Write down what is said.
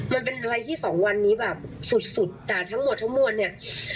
มันเป็นอะไรที่สองวันนี้แบบสุดสุดแต่ทั้งหมดทั้งมวลเนี่ย